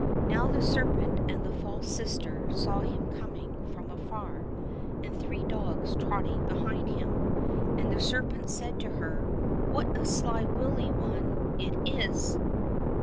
Now the serpent and the false sister saw him coming from afar, and three dogs trotting behind him. And the serpent said to her, " What a sly, wily one it is